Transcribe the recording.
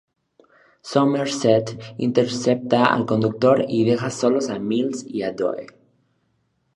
Somerset intercepta al conductor y deja solos a Mills y a Doe.